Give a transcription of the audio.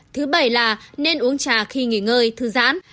thứ bảy là nên uống trà khi nghỉ ngơi thư giãn